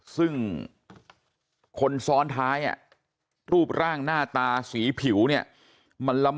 ซึ่งคนซ้อนท้ายรูปร่างหน้าตาสีผิวเนี่ยมันลำ